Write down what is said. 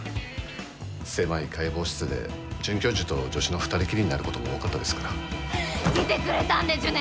狭い解剖室で准教授と助手の２人きりになることも多かったですから。来てくれたんでちゅね！？